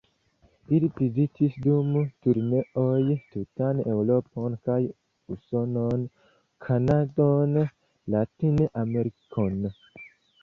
Ili vizitis dum turneoj tutan Eŭropon kaj Usonon, Kanadon, Latin-Amerikon.